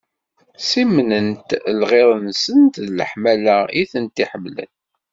Ssimnent lɣiḍ-nsent d leḥmala i tent-ḥemmlen.